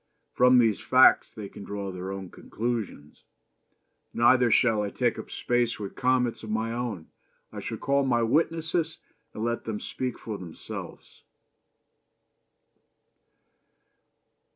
From these facts they can draw their own conclusions. Neither shall I take up space with comments of my own. I shall call my witnesses and let them speak for themselves.